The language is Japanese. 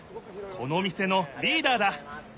この店のリーダーだ！